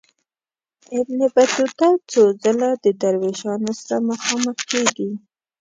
ابن بطوطه څو ځله د دروېشانو سره مخامخ کیږي.